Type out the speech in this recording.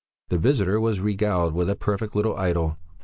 The visitor was regaled with a perfect little idyll.